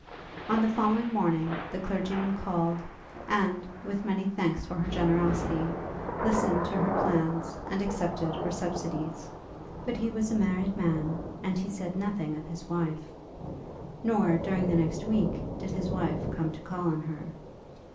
On the following morning the clergyman called, and, with many thanks for her generosity, listened to her plans, and accepted her subsidies. But he was a married man, and he said nothing of his wife, nor during the next week did his wife come to call on her.